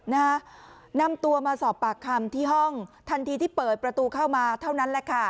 นะฮะนำตัวมาสอบปากคำที่ห้องทันทีที่เปิดประตูเข้ามาเท่านั้นแหละค่ะ